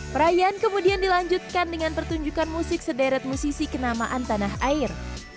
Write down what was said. perayaan kemudian dilanjutkan dengan pertunjukan musik sederet musisi kenamaan tanah air